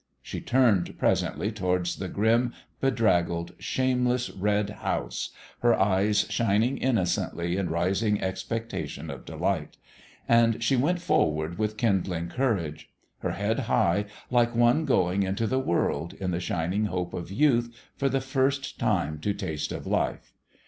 She turned, presently, towards the grim, bedraggled, shame less red house, her eyes shining innocently in rising expectation of delight ; and she went for ward with kindling courage, her head high, like one going into the world, in the shining hope of youth, for the first time to taste of life.